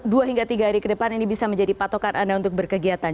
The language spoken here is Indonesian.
dua hingga tiga hari ke depan ini bisa menjadi patokan anda untuk berkegiatan